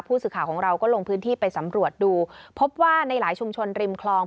ผู้สื่อข่าวของเราก็ลงพื้นที่ไปสำรวจดูพบว่าในหลายชุมชนริมคลอง